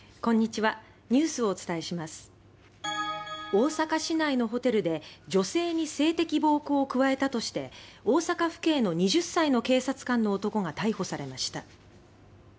大阪市内のホテルで女性に性的暴行を加えたとして大阪府警の２０歳の警察官の男が逮捕されました。